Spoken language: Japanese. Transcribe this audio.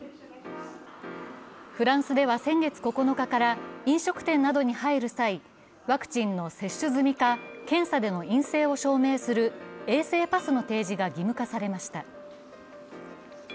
フランスでは先月９日から飲食店などに入る際、ワクチンの接種済みか検査での陰性を証明する衛生パスの提示が義務化されました。